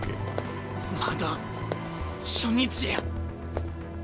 まだ初日や。